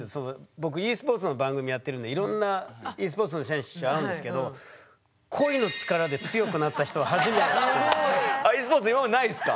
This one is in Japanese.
僕ｅスポーツの番組やってるんでいろんなｅスポーツの選手会うんですけどｅスポーツ今までないですか？